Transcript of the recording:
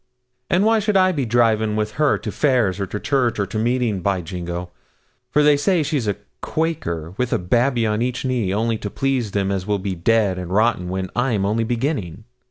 And why should I be driving with her to fairs, or to church, or to meeting, by jingo! for they say she's a Quaker with a babby on each knee, only to please them as will be dead and rotten when I'm only beginning?'